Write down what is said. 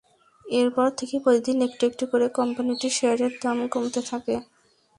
এরপর থেকে প্রতিদিন একটু একটু করে কোম্পানিটির শেয়ারের দাম কমতে থাকে।